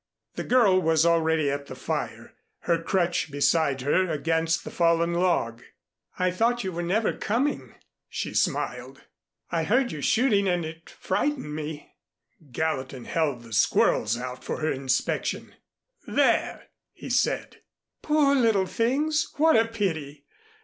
The girl was already at the fire, her crutch beside her against the fallen log. "I thought you were never coming." She smiled. "I heard your shooting and it frightened me." Gallatin held the squirrels out for her inspection. "There!" he said. "Poor little things, what a pity!